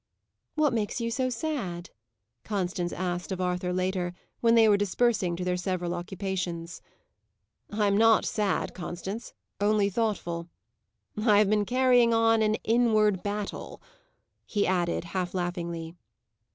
"What makes you so sad?" Constance asked of Arthur later, when they were dispersing to their several occupations. "I am not sad, Constance; only thoughtful. I have been carrying on an inward battle," he added, half laughingly.